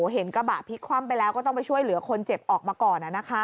เห็นกระบะพลิกคว่ำไปแล้วก็ต้องไปช่วยเหลือคนเจ็บออกมาก่อน